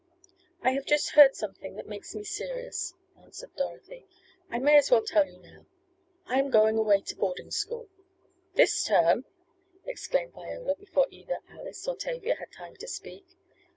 "I have just heard something that makes me serious," answered Dorothy. "I may as well tell you now. I am going away to boarding school!" "This term?" exclaimed Viola, before either Alice or Tavia had time to speak.